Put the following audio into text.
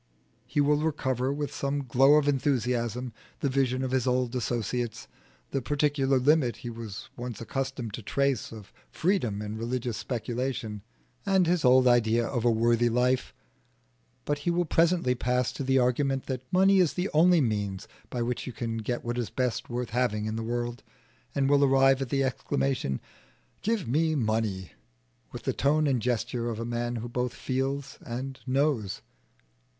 He will recover with some glow of enthusiasm the vision of his old associates, the particular limit he was once accustomed to trace of freedom in religious speculation, and his old ideal of a worthy life; but he will presently pass to the argument that money is the only means by which you can get what is best worth having in the world, and will arrive at the exclamation "Give me money!" with the tone and gesture of a man who both feels and knows.